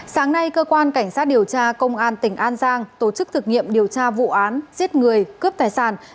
sáng nay cơ quan cảnh sát điều tra công an tỉnh an giang tổ chức thực nghiệm điều tra vụ án giết người cướp tài sản